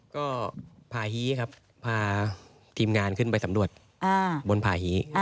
ก็พาฮีครับพาทีมงานขึ้นไปสำรวจบนผ่าฮี